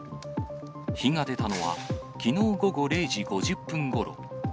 火が出たのは、きのう午後０時５０分ごろ。